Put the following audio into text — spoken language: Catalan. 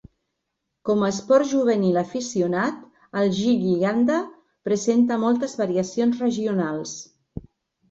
Com a esport juvenil aficionat, el gilli-danda presenta moltes variacions regionals.